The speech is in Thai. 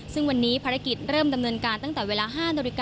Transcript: ซึ่งวันนี้ภารกิจเริ่มดำเนินการตั้งแต่เวลา๕นาฬิกา